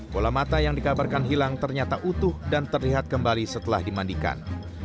bola mata yang dikabarkan hilang ternyata utuh dan terlihat kembali setelah dimandikan